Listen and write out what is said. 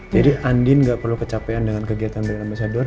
jadi andin gak perlu kecapean dengan kegiatan brand ambasador